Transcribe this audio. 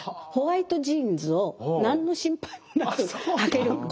ホワイトジーンズを何の心配もなくはける。